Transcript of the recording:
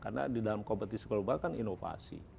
karena di dalam kompetisi global kan inovasi